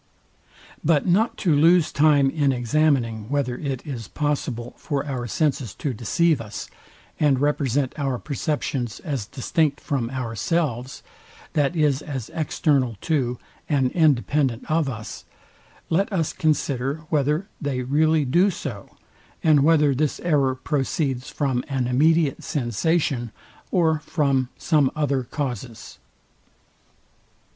But not to lose time in examining, whether it is possible for our senses to deceive us, and represent our perceptions as distinct from ourselves, that is as external to and independent of us; let us consider whether they really do so, and whether this error proceeds from an immediate sensation, or from some other causes.